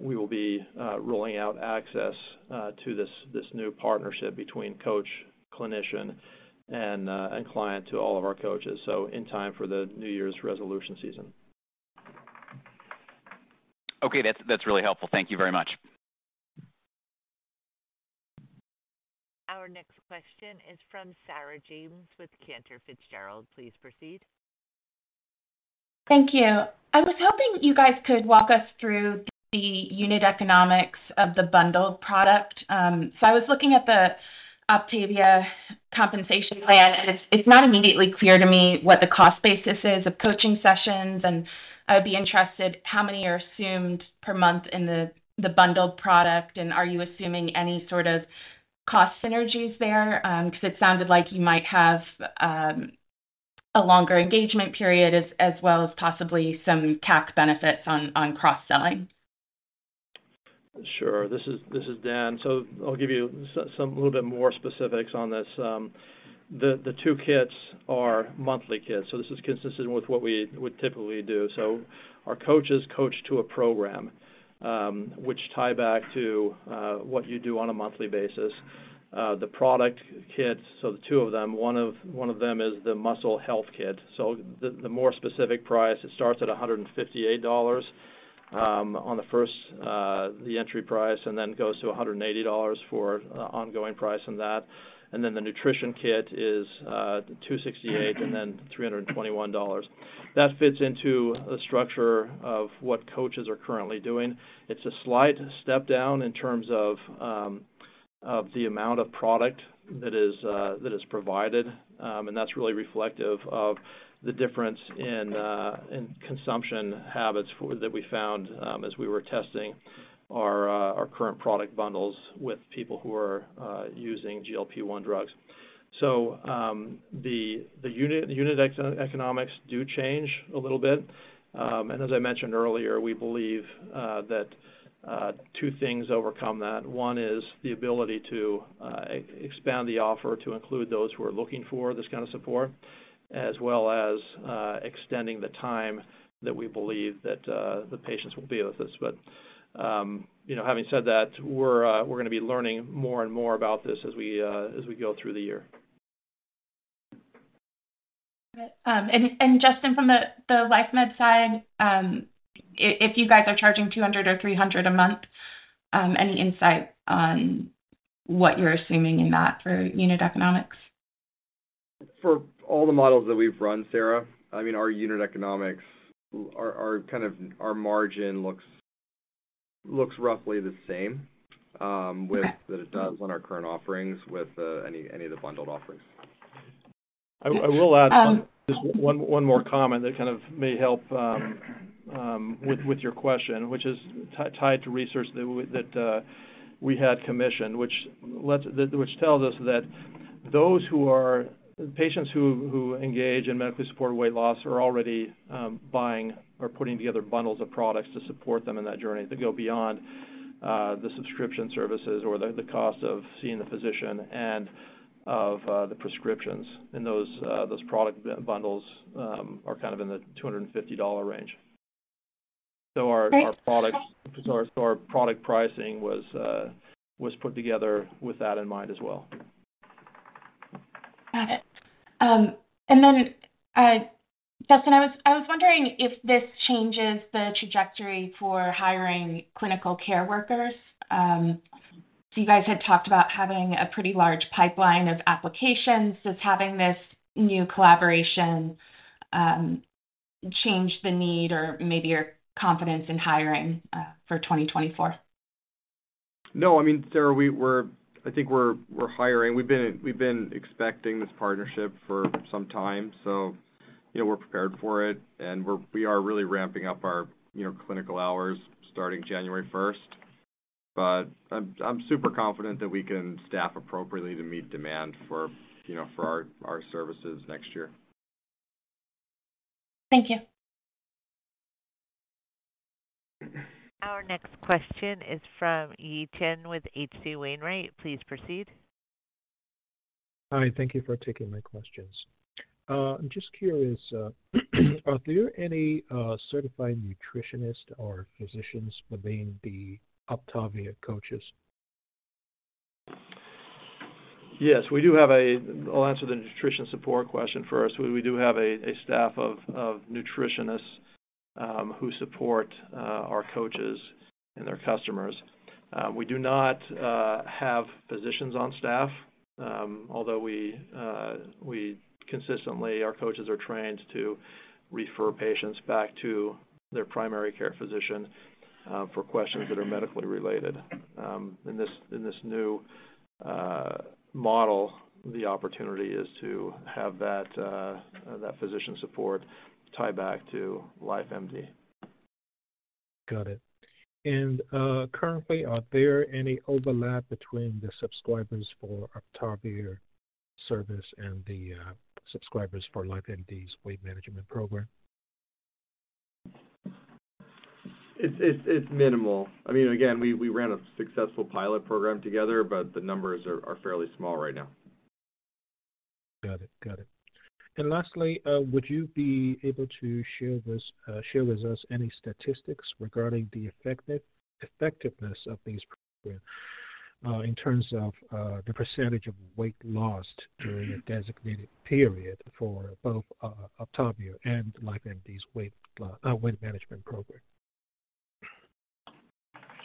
we will be rolling out access to this new partnership between coach, clinician, and client to all of our coaches, so in time for the New Year's resolution season. Okay. That's, that's really helpful. Thank you very much. Our next question is from Sarah James with Cantor Fitzgerald. Please proceed. Thank you. I was hoping you guys could walk us through the unit economics of the bundled product. So I was looking at the OPTAVIA compensation plan, and it's not immediately clear to me what the cost basis is of coaching sessions, and I would be interested, how many are assumed per month in the bundled product? And are you assuming any sort of cost synergies there? Because it sounded like you might have a longer engagement period, as well as possibly some tax benefits on cross-selling. Sure. This is, this is Dan. So I'll give you some, little bit more specifics on this. The two kits are monthly kits, so this is consistent with what we would typically do. So our coaches coach to a program, which tie back to, what you do on a monthly basis. The product kits, so the two of them, one of them is the muscle health kit. So the more specific price, it starts at $158, on the first, the entry price, and then goes to $180 for ongoing price on that. And then the nutrition kit is $268 and then $321. That fits into a structure of what coaches are currently doing. It's a slight step down in terms of the amount of product that is provided. And that's really reflective of the difference in consumption habits that we found as we were testing our current product bundles with people who are using GLP-1 drugs. So, the unit economics do change a little bit. And as I mentioned earlier, we believe that two things overcome that. One is the ability to expand the offer to include those who are looking for this kind of support, as well as extending the time that we believe that the patients will be with us. But you know, having said that, we're gonna be learning more and more about this as we go through the year. And Justin, from the LifeMD side, if you guys are charging $200 or $300 a month, any insight on what you're assuming in that for unit economics? For all the models that we've run, Sarah, I mean, our unit economics are kind of, our margin looks roughly the same. Okay... with that it does on our current offerings with any of the bundled offerings. I will add- Um- Just one more comment that kind of may help with your question, which is tied to research that we had commissioned, which tells us that those who are patients who engage in medically supported weight loss are already buying or putting together bundles of products to support them in that journey, to go beyond the subscription services or the cost of seeing the physician and of the prescriptions. And those product bundles are kind of in the $250 range. Great. Our product pricing was put together with that in mind as well. Got it. And then, Justin, I was wondering if this changes the trajectory for hiring clinical care workers. So you guys had talked about having a pretty large pipeline of applications. Does having this new collaboration change the need or maybe your confidence in hiring for 2024? No. I mean, Sarah, we're, I think we're hiring. We've been expecting this partnership for some time, so, you know, we're prepared for it, and we are really ramping up our, you know, clinical hours starting January first. But I'm super confident that we can staff appropriately to meet demand for, you know, for our services next year. Thank you. Our next question is from Yi Chen with H.C. Wainwright. Please proceed. Hi, thank you for taking my questions. I'm just curious, are there any certified nutritionists or physicians within the OPTAVIA coaches? Yes, I'll answer the nutrition support question first. We do have a staff of nutritionists who support our coaches and their customers. We do not have physicians on staff, although we consistently, our coaches are trained to refer patients back to their primary care physician for questions that are medically related. In this new model, the opportunity is to have that physician support tie back to LifeMD. Got it. Currently, are there any overlap between the subscribers for OPTAVIA service and the subscribers for LifeMD's weight management program? It's minimal. I mean, again, we ran a successful pilot program together, but the numbers are fairly small right now. Got it. Got it. And lastly, would you be able to share with us any statistics regarding the effectiveness of these program in terms of the percentage of weight lost during a designated period for both OPTAVIA and LifeMD's weight management program?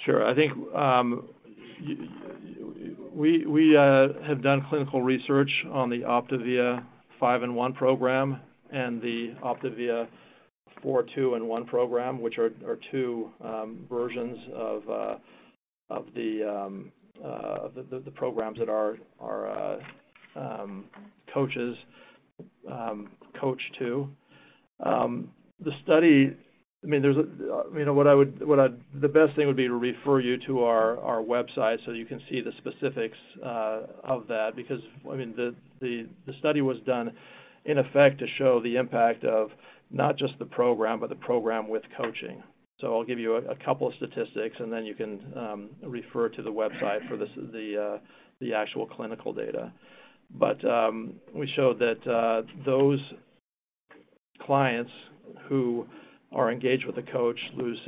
Sure. I think we have done clinical research on the OPTAVIA 5 & 1 program and the OPTAVIA 4 & 2 & 1 program, which are two versions of the programs that our coaches coach to. The study—I mean, there's a, you know what I would, the best thing would be to refer you to our website so you can see the specifics of that, because, I mean, the study was done in effect to show the impact of not just the program, but the program with coaching. So I'll give you a couple of statistics, and then you can refer to the website for the actual clinical data. But, we showed that, those-... Clients who are engaged with a coach lose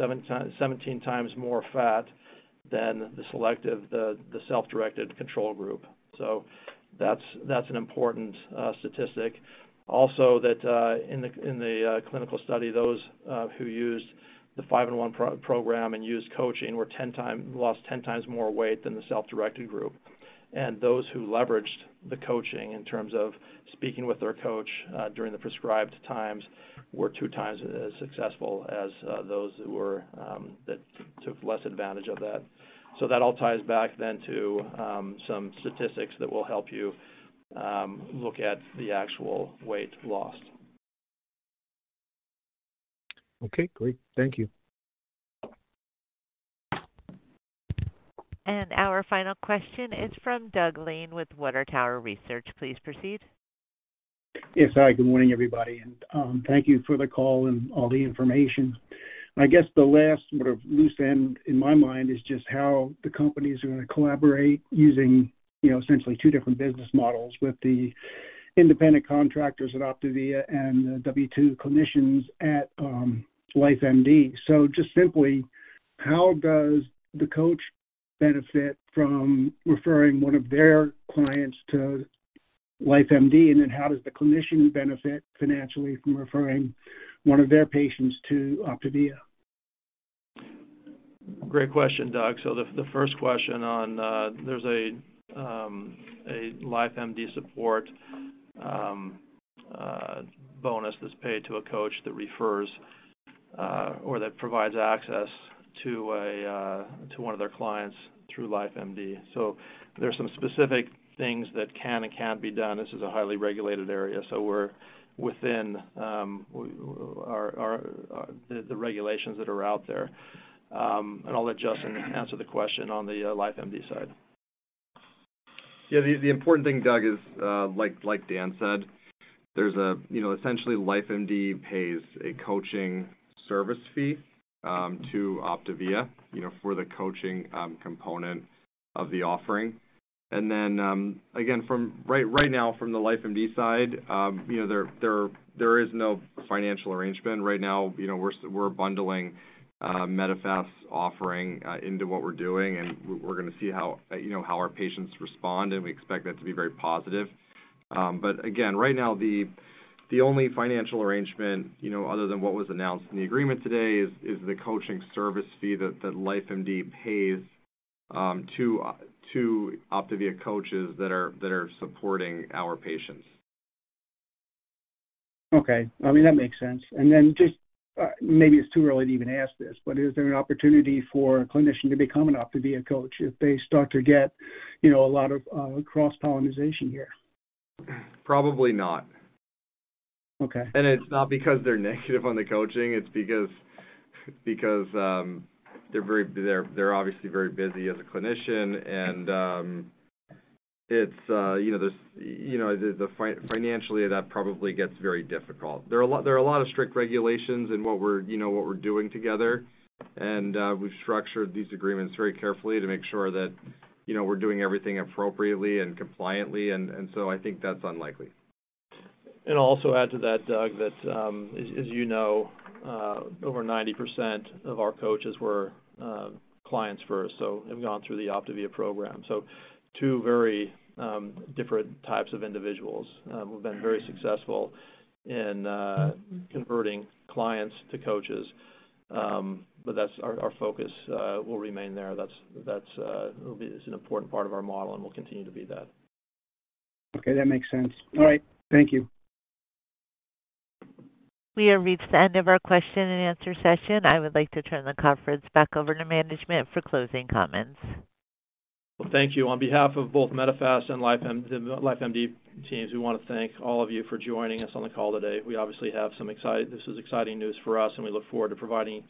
17 times more fat than the self-directed control group. So that's an important statistic. Also, in the clinical study, those who used the 5 & 1 program and used coaching lost 10 times more weight than the self-directed group. And those who leveraged the coaching in terms of speaking with their coach during the prescribed times were 2 times as successful as those that took less advantage of that. So that all ties back then to some statistics that will help you look at the actual weight lost. Okay, great. Thank you. Our final question is from Doug Lane with Water Tower Research. Please proceed. Yes. Hi, good morning, everybody, and thank you for the call and all the information. I guess the last sort of loose end in my mind is just how the companies are going to collaborate using, you know, essentially two different business models with the independent contractors at OPTAVIA and the W-2 clinicians at LifeMD. So just simply, how does the coach benefit from referring one of their clients to LifeMD? And then how does the clinician benefit financially from referring one of their patients to OPTAVIA? Great question, Doug. So the first question on, there's a LifeMD support bonus that's paid to a coach that refers or that provides access to one of their clients through LifeMD. So there's some specific things that can and can't be done. This is a highly regulated area, so we're within the regulations that are out there. And I'll let Justin answer the question on the LifeMD side. Yeah, the important thing, Doug, is, like Dan said, there's, you know, essentially, LifeMD pays a coaching service fee to OPTAVIA, you know, for the coaching component of the offering. And then, again, right now, from the LifeMD side, you know, there is no financial arrangement. Right now, you know, we're bundling Medifast's offering into what we're doing, and we're gonna see how, you know, how our patients respond, and we expect that to be very positive. But again, right now, the only financial arrangement, you know, other than what was announced in the agreement today, is the coaching service fee that LifeMD pays to OPTAVIA coaches that are supporting our patients. Okay. I mean, that makes sense. And then just, maybe it's too early to even ask this, but is there an opportunity for a clinician to become an OPTAVIA coach if they start to get, you know, a lot of, cross-pollination here? Probably not. Okay. It's not because they're negative on the coaching. It's because they're very obviously very busy as a clinician, and it's you know, there's you know... Financially, that probably gets very difficult. There are a lot of strict regulations in what we're you know what we're doing together, and we've structured these agreements very carefully to make sure that you know we're doing everything appropriately and compliantly, and so I think that's unlikely. And I'll also add to that, Doug, that, as you know, over 90% of our coaches were clients first, so have gone through the OPTAVIA program. So two very different types of individuals. We've been very successful in converting clients to coaches. But that's our focus will remain there. That's, that's, it's an important part of our model and will continue to be that. Okay, that makes sense. All right. Thank you. We have reached the end of our question and answer session. I would like to turn the conference back over to management for closing comments. Well, thank you. On behalf of both Medifast and LifeMD teams, we want to thank all of you for joining us on the call today. We obviously have some. This is exciting news for us, and we look forward to providing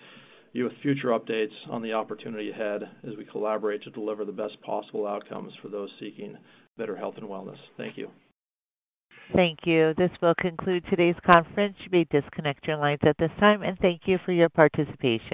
you with future updates on the opportunity ahead as we collaborate to deliver the best possible outcomes for those seeking better health and wellness. Thank you. Thank you. This will conclude today's conference. You may disconnect your lines at this time, and thank you for your participation.